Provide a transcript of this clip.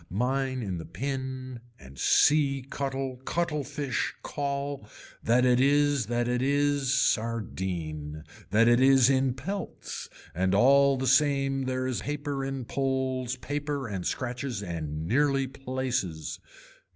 Mine in the pin and see cuttle cuttle fish call that it is that it is sardine, that it is in pelts and all the same there is paper in poles paper and scratches and nearly places.